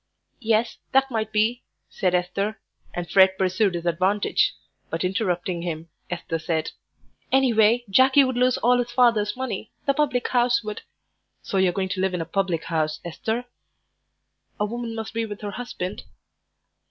"Yes, that might be," said Esther, and Fred pursued his advantage. But, interrupting him, Esther said "Anyway, Jackie would lose all his father's money; the public house would " "So you're going to live in a public house, Esther?" "A woman must be with her husband."